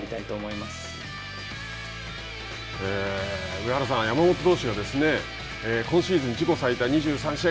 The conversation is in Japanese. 上原さん、山本投手が今シーズン、自己最多２３試合。